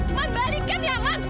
man balikin ya man